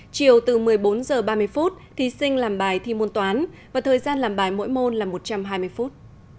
chiều từ một mươi bốn h ba mươi phút thí sinh làm bài thi môn toán và thời gian làm bài mỗi môn là một trăm hai mươi phút